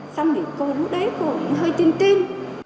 xong thì cô rút đấy cô hơi tin tin